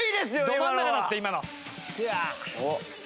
ど真ん中だって今の。